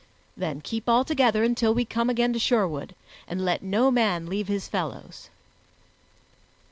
Then keep all together until we come again to Sherwood, and let no man leave his fellows."